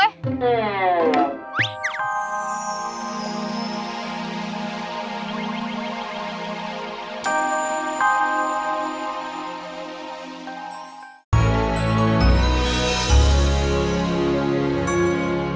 oh ini dia